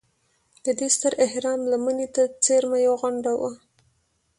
د دې ستر اهرام لمنې ته څېرمه یوه غونډه وه.